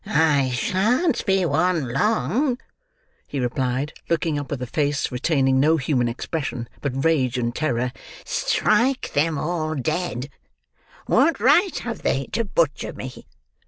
"I shan't be one long," he replied, looking up with a face retaining no human expression but rage and terror. "Strike them all dead! What right have they to butcher me?"